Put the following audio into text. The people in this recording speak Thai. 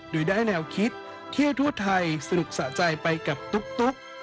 โดยได้แนวคิดเที่ยวทั่วไทยสนุกสะใจไปกับตุ๊ก